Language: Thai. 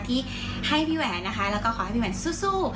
ที่ให้พี่แหวนนะคะแล้วก็ขอให้พี่แหวนสู้